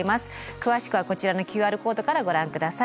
詳しくはこちらのＱＲコードからご覧下さい。